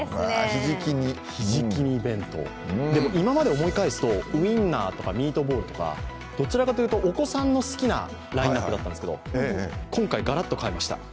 ひじき煮弁当、今まで思い返すとウインナーとかミートボールとかどちらかというと、お子さんの好きなラインナップでしたけど、今回がらっと変えました。